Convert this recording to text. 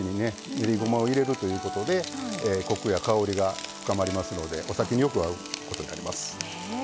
練りごまを入れるということでコクや香りが深まりますのでお酒によく合うことになります。